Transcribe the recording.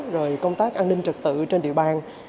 rồi công tác an ninh trật tự trên địa bàn